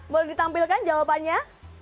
boleh ditampilkan jawabannya